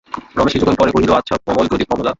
রমেশ কিছুক্ষণ পরে কহিল, আচ্ছা কমল, যদি– কমলা।